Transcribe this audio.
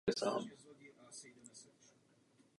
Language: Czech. Byl předsedou advokátní komory v Trentu.